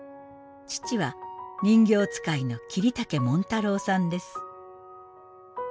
父は人形遣いの桐竹紋太郎さんです。